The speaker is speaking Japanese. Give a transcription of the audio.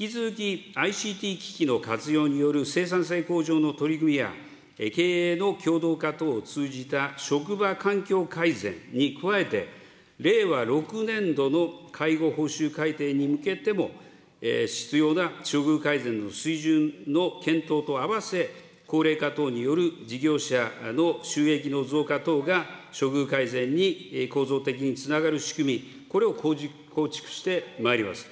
引き続きＩＣＴ機器の活用による生産性向上の取り組みや、経営の共同化等を通じた職場環境改善に加えて、令和６年度の介護報酬改定に向けても、必要な処遇改善の水準の検討とあわせ、高齢化等による事業者の収益の増加等が処遇改善に構造的につながる仕組み、これを構築してまいります。